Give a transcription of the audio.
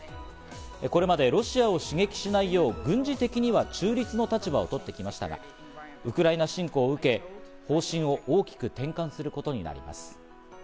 これまでロシアを刺激しないよう軍事的には中立の立場を取ってきましたが、ウクライナ侵攻を受け、方針を大きく転換することになります。